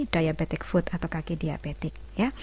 diabetic foot atau kaki diabetic